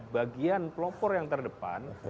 bagian pelopor yang terdepan